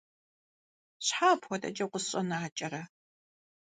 Щхьэ апхуэдэкӀэ укъысщӀэнакӀэрэ?